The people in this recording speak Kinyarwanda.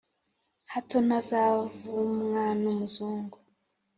hato ntazavumwa n' umuzungu